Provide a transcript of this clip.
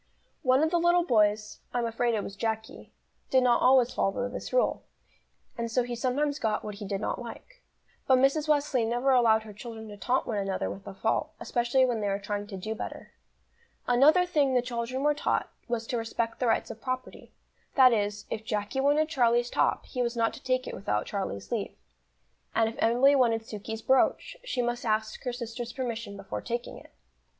One of the little boys I'm afraid it was Jacky did not always follow this rule, and so he sometimes got what he did not like. But Mrs. Wesley never allowed her children to taunt one another with a fault, especially when they were trying to do better. Another thing the children were taught, was to respect the rights of property; that is, if Jacky wanted Charlie's top, he was not to take it without Charlie's leave; and if Emily wanted Sukey's brooch, she must ask her sister's permission before taking it.